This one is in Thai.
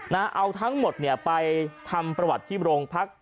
นะฮะเอาทั้งหมดไปทำประวัติที่โรงพักษณ์